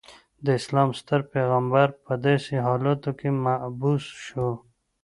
د اسلام ستر پیغمبر په داسې حالاتو کې مبعوث شو.